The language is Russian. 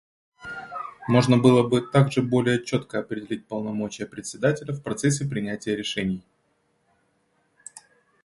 Можно было бы также более четко определить полномочия Председателя в процессе принятии решений.